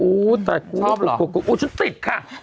โอ้เปล่าชอบเหรอไม่รู้ดูการติดค่ะ